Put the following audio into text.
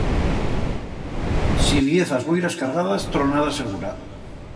Si viyez as boiras cargadas, tronada segura.